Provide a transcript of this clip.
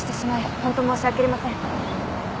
ホント申し訳ありません。